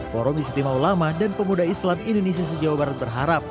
forum istimewa ulama dan pemuda islam indonesia sejauh barat berharap